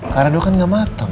karena itu kan gak mateng